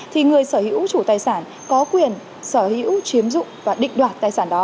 thì người sở hữu chủ tài sản có quyền sở hữu chiếm dụng và định đoạt tài sản đó